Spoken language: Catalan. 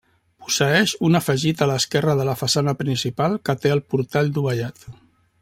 Posseeix un afegit a l'esquerra de la façana principal que té el portal dovellat.